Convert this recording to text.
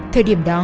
thời điểm đó